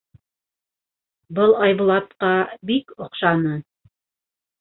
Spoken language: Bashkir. Был Айбулатҡа бик оҡшаны.